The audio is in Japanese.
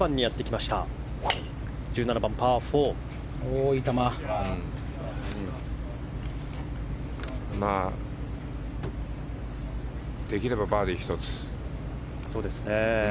まあ、できればバーディー１つ。